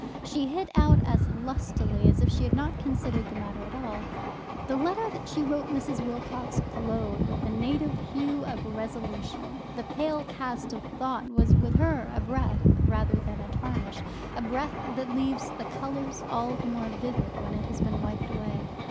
She hit out as lustily as if she had not considered the matter at all. The letter that she wrote Mrs. Wilcox glowed with the native hue of resolution. The pale cast of thought was with her a breath rather than a tarnish, a breath that leaves the colours all the more vivid when it has been wiped away.